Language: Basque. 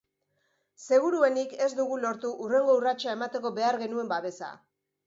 Seguruenik, ez dugu lortu hurrengo urratsa emateko behar genuen babesa.